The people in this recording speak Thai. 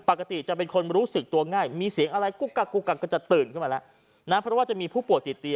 ปกติจะเป็นคนรู้สึกตัวง่ายมีเสียงอะไรกุ๊กกักกกก็จะตื่นมาแล้ว